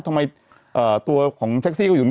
ทำไมตัวของแคลซี่เขาอยู่นี้